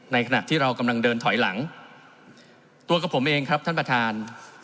ขณะที่เรากำลังเดินถอยหลังตัวกับผมเองครับท่านประธาน